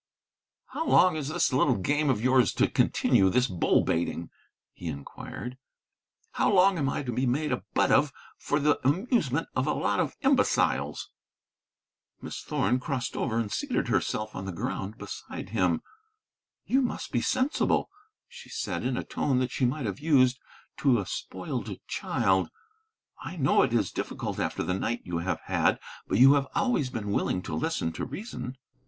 "How long is this little game of yours to continue, this bull baiting?" he inquired. "How long am I to be made a butt of for the amusement of a lot of imbeciles?" Miss Thorn crossed over and seated herself on the ground beside him. "You must be sensible," she said, in a tone that she might have used to a spoiled child. "I know it is difficult after the night you have had. But you have always been willing to listen to reason."